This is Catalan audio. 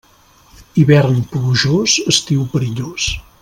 Hivern plujós, estiu perillós.